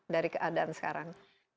dari keadaan sekarang